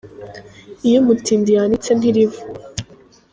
Iyo umutindi yanitse ntiriva.